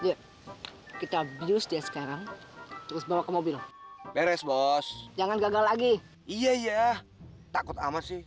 dia kita abuse dia sekarang terus bawa ke mobil beres bos jangan gagal lagi iya iya takut amat sih